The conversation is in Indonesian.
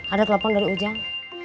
ada telopang dari ujang